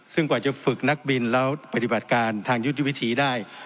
ซึ่งกว่าจะฝึกนักบินแล้วปฏิบัติการทางยุทธวิธีได้